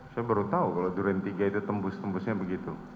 saya baru tahu kalau durian tiga itu tembus tembusnya begitu